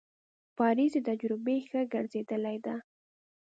پاریس د تجربې نښه ګرځېدلې ده.